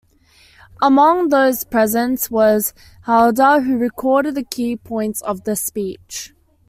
Among those present was Halder, who recorded the key points of the speech.